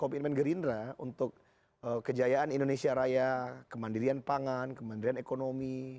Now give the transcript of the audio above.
komitmen gerindra untuk kejayaan indonesia raya kemandirian pangan kemandirian ekonomi